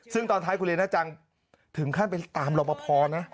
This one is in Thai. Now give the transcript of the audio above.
ซึ่งตอนท้ายคุณเรน่าจังถึงขั้นไปตามรอบพอนะ